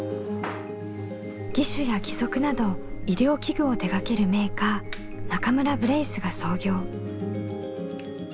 義手や義足など医療器具を手がけるメーカー中村ブレイスが創業。